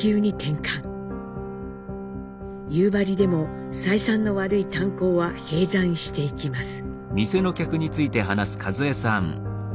夕張でも採算の悪い炭鉱は閉山していきます。